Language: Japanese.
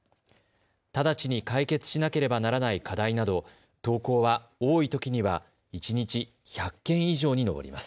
直ちに解決しなければならない課題など投稿は多いときには一日１００件以上に上ります。